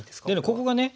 ここがね